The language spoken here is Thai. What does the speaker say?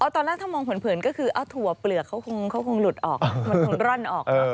ตอนแรกถ้ามองเผินก็คือเอาถั่วเปลือกเขาคงหลุดออกมันคงร่อนออก